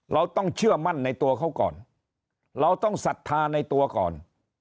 เราต้องเชื่อมั่นในตัวเขาก่อนเราต้องศรัทธาในตัวก่อน